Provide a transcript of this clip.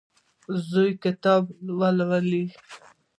زوی کتاب لولي.